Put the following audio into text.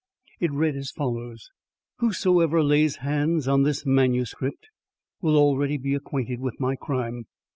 It read as follows: Whosoever lays hands on this MS. will already be acquainted with my crime.